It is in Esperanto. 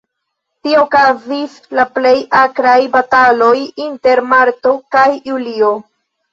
Tie okazis la plej akraj bataloj, inter marto kaj julio.